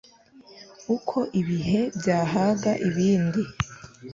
uko ibihe byahaga ibindi